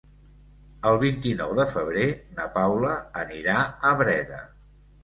El vint-i-nou de febrer na Paula anirà a Breda.